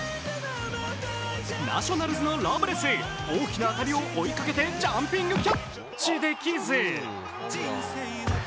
ナショナルズのロブレス、大きな当たりを追いかけてジャンピングキャッチできず。